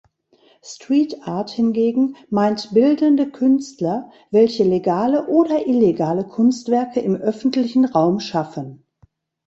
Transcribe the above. Streetart hingegen meint bildende Künstler, welche legale oder illegale Kunstwerke im öffentlichen Raum schaffen.